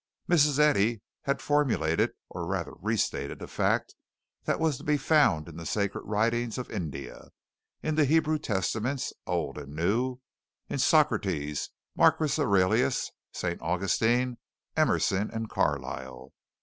Mrs. Eddy had formulated or rather restated a fact that was to be found in the sacred writings of India; in the Hebrew testaments, old and new; in Socrates, Marcus Aurelius, St. Augustine, Emerson, and Carlyle.